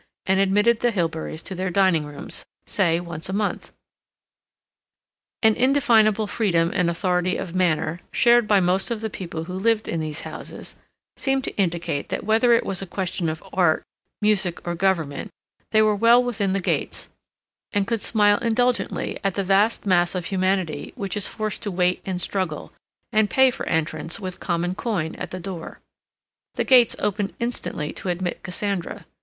and admitted the Hilberys to their dining rooms, say, once a month. An indefinable freedom and authority of manner, shared by most of the people who lived in these houses, seemed to indicate that whether it was a question of art, music, or government, they were well within the gates, and could smile indulgently at the vast mass of humanity which is forced to wait and struggle, and pay for entrance with common coin at the door. The gates opened instantly to admit Cassandra.